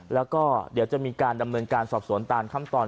แล้วก็เดี๋ยวจะมีการดำเนินการสอบสวนตามขั้นตอน